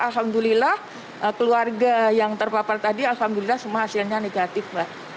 alhamdulillah keluarga yang terpapar tadi alhamdulillah semua hasilnya negatif mbak